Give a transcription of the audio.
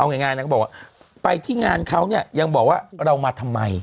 เอาง่ายนางก็บอกว่าไปที่งานเขาเนี่ยยังบอกว่าเรามาทำไม